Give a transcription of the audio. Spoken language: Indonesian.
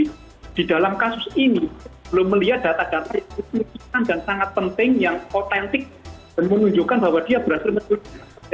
tapi di dalam kasus ini belum melihat data data yang signifikan dan sangat penting yang otentik dan menunjukkan bahwa dia berhasil menurunkan